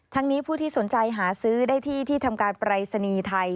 นี้ผู้ที่สนใจหาซื้อได้ที่ที่ทำการปรายศนีย์ไทย